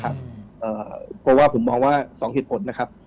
เพราะว่าผมมองว่า๒เหตุผลนะครับ